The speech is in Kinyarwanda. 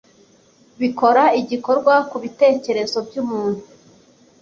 bikora igikorwa ku bitekerezo by'umuntu